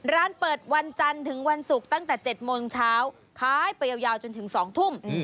ร้านเปิดวันจันทร์ถึงวันศุกร์ตั้งแต่๗โมงเช้าขายไปยาวจนถึง๒ทุ่ม